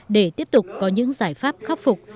để tiếp tục có những giải pháp khắc phục